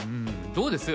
どうです？